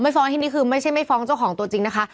ฟ้องที่นี่คือไม่ใช่ไม่ฟ้องเจ้าของตัวจริงนะคะ